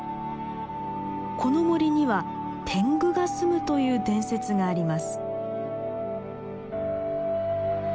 この森には天狗が住むという伝説があります。